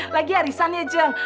lagi harisan ya jun